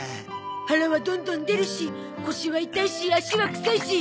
腹はどんどん出るし腰は痛いし足は臭いし。